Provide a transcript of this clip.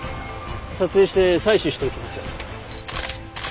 撮影して採取しておきます。